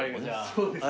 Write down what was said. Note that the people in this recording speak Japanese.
そうですね。